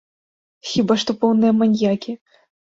Хіба што поўныя маньякі?